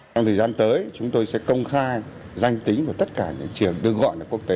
trong thời gian tới chúng tôi sẽ công khai danh tính của tất cả những trường được gọi là quốc tế